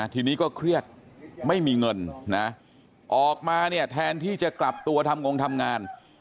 ทีนี้ก็เครียดไม่มีเงินนะออกมาเนี่ยแทนที่จะกลับตัวทำงงทำงาน